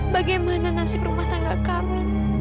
bagaimana nasib rumah tangga kami